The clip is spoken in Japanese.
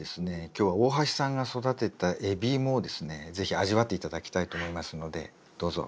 今日は大箸さんが育てた海老芋をですね是非味わって頂きたいと思いますのでどうぞ。